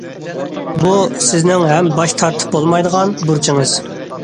بۇ، سىزنىڭ ھەم باش تارتىپ بولمايدىغان بۇرچىڭىز.